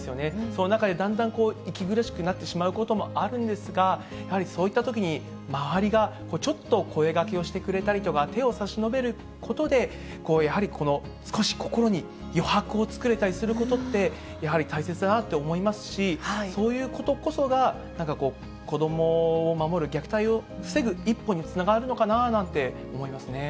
その中で、だんだん息苦しくなってしまうこともあるんですが、やはりそういったときに、周りがちょっと声がけをしてくれたりとか、手を差し伸べることで、やはり少し心に余白を作れたりすることって、やはり大切だなと思いますし、そういうことこそが、なんかこう、子どもを守る、虐待を防ぐ一歩につながるのかななんて思いますね。